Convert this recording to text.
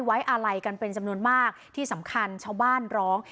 ไว้อาลัยกันเป็นจำนวนมากที่สำคัญชาวบ้านร้อง